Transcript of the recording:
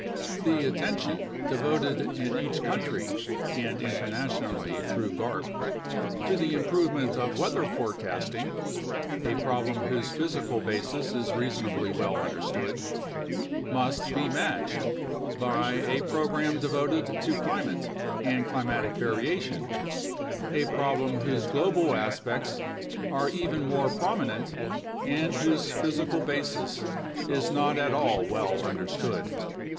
The attention devoted in each country (and internationally through garp) to the improvement of weather forecasting (a problem whose physical basis is reasonably well understood) must be matched by a program devoted to climate and climatic variation, a problem whose global aspects are even more prominent and whose physical basis is not at all well understood.